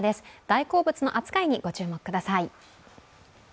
大好物の扱いに御注目ください。